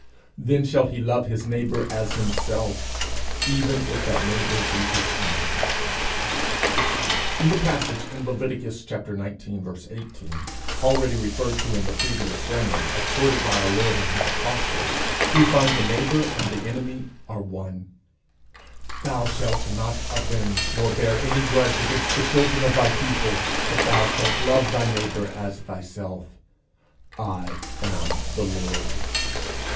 Then shall he love his neighbour as himself, even if that neighbour be his enemy. In the passage in Leviticus (xix. 18,) already referred to as quoted by our Lord and his apostles, we find the neighbour and the enemy are one. "Thou shalt not avenge, nor bear any grudge against the children of thy people, but thou shalt love thy neighbour as thyself: I am the Lord."